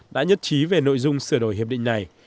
đã nhất trí về nội dung sửa đổi hiệp định này